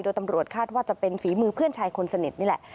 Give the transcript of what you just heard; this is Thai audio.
โดยตำรวจคาดว่าจะเป็นฝีมือเพื่อนชายคนสนิทนี่แหละ